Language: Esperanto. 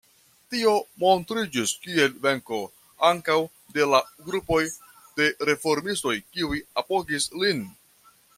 Tio montriĝis kiel venko ankaŭ de la grupoj de reformistoj kiuj apogis lin.